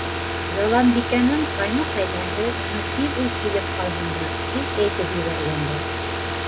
— Яланбикәнең ҡайны-ҡәйнәһе уны тиҙ үк килеп алһындар, тип әйтеп ебәргәндәр.